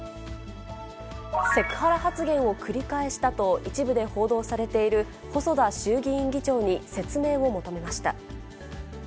セクハラ発言を繰り返したと、一部で報道されている細田衆議院議長に、説明を求めました。